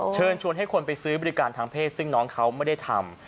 เชิญชวนให้คนไปซื้อบริการทางเพศซึ่งน้องเขาไม่ได้ทำ